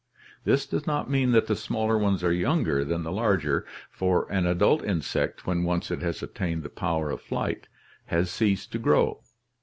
This does not mean that the smaller ones are younger than the larger, for an adult insect when once it has attained the power of flight has ceased to grow.